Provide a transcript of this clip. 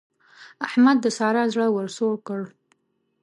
احمد د سارا زړه ور سوړ کړ.